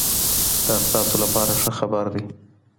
دا ستاسو لپاره ښه خبر دی.